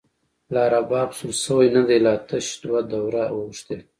لا رباب سور شوۍ ندۍ، لا تش دوه دوره اوښتۍ